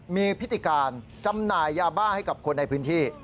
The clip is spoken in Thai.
มีพฤติการจำหน่ายยาบ้าให้กับคนในพื้นที่